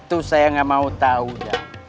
itu saya gak mau tahu jang